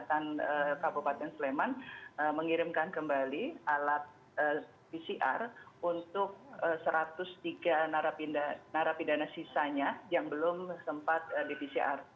kesehatan kabupaten sleman mengirimkan kembali alat pcr untuk satu ratus tiga narapidana sisanya yang belum sempat di pcr